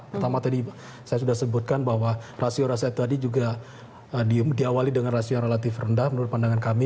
pertama tadi saya sudah sebutkan bahwa rasio rasio tadi juga diawali dengan rasio yang relatif rendah menurut pandangan kami